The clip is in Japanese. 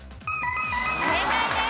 正解です。